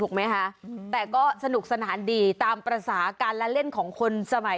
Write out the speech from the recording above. ไหมคะแต่ก็สนุกสนานดีตามภาษาการละเล่นของคนสมัย